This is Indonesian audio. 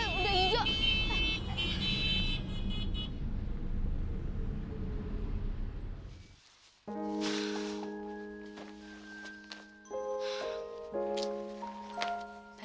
kerang ini kan